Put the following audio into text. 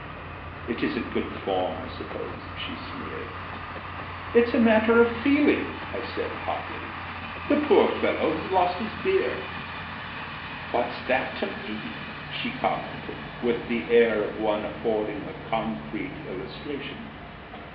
"It isn't good form, I suppose?" she sneered. "It's a matter of feeling," I said, hotly, "the poor fellow has lost his beer." "What's that to me?" she commented, with the air of one affording a concrete illustration.